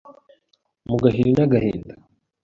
Mu gahiri n’agahinda